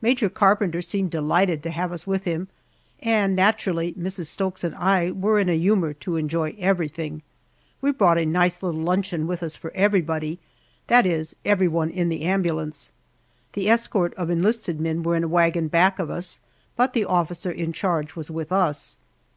Major Carpenter seemed delighted to have us with him, and naturally Mrs. Stokes and I were in a humor to enjoy everything. We brought a nice little luncheon with us for everybody that is, everyone in the ambulance. The escort of enlisted men were in a wagon back of us, but the officer in charge was with us.